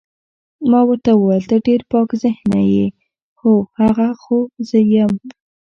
ما ورته وویل ته ډېر پاک ذهنه یې، هو، هغه خو زه یم.